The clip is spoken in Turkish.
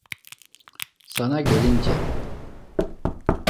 Sana gelince…